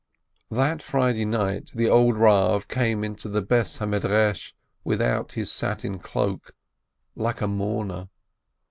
That Friday night the old Rav came into the house of study without his satin cloak, like a mourner.